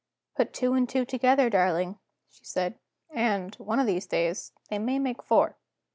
"Put two and two together, darling," she said; "and, one of these days, they may make four."